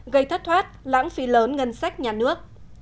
gây thất thoát lãng phí lớn ngân sách nhà nước